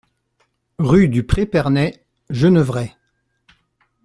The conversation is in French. Rue du Pré Perney, Genevrey